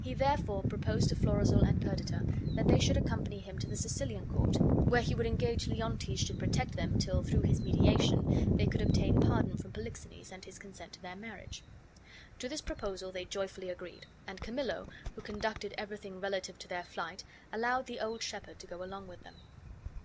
He therefore proposed to Florizel and Perdita that they should accompany him to the Sicilian court, where he would engage Leontes should protect them till, through his mediation, they could obtain pardon from Polixenes and his consent to their marriage. To this proposal they joyfully agreed; and Camillo, who conducted everything relative to their flight, allowed the old shepherd to go along with them.